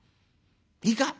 いいか？